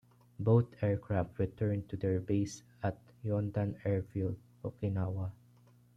Both aircraft returned to their base at Yontan Airfield, Okinawa.